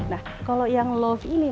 nah kalau yang love ini